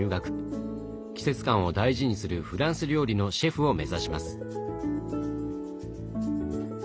季節感を大事にするフランス料理のシェフを目指します。